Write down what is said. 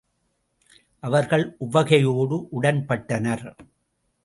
அவர்கள் உவகையோடு உடன்பட்டனர்.